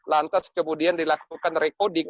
lantas kemudian dilakukan recording